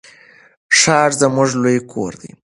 ښار زموږ لوی کور دی.